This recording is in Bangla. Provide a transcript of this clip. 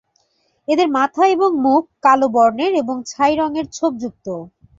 এদের মাথা এবং মুখ কালো বর্ণের এবং ছাই রঙের ছোপ যুক্ত।